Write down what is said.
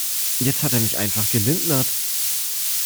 Jetzt hat er mich einfach gelindnert.